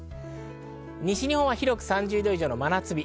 西日本は広く３０度以上の真夏日。